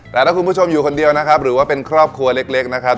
แต่ถ้าคุณผู้ชมอยู่คนเดียวนะครับหรือว่าเป็นครอบครัวเล็กนะครับ